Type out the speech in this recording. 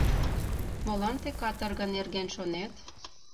— Молан тый каторга нерген шонет?